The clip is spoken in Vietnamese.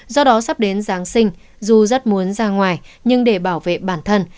do đó sắp đến giáng sinh dù rất muốn ra ngoài nhưng để bảo vệ bản thân